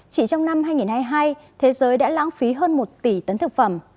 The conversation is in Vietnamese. chỉ trong năm hai nghìn hai mươi hai thế giới đã lãng phí hơn một tỷ tấn thực phẩm